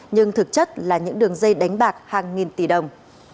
nhưng thực chất là những đường dây đánh bạc hàng nghìn tỷ đồng